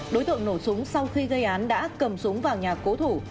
đối tượng nổ súng sau khi gây án đã cầm súng vào nhà cố thủ